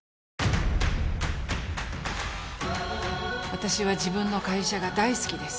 私は自分の会社が大好きです。